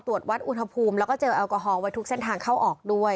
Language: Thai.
ตรวจวัดอุณหภูมิแล้วก็เจลแอลกอฮอลไว้ทุกเส้นทางเข้าออกด้วย